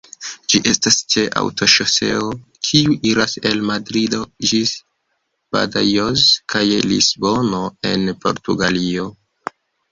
Ĝi estas ĉe aŭtoŝoseo kiu iras el Madrido ĝis Badajoz kaj Lisbono, en Portugalio.